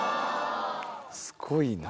すごいな。